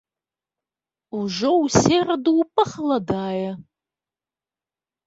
Ужо ў сераду пахаладае.